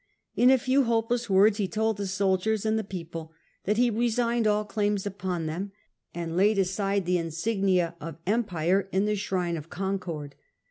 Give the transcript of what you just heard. In a abdicate, few hopeless words he told the soldiers and vent^by^ the people that he resigned all claims upon the soldiers, them, and laid aside the insignia of empire in the shrine of Concord.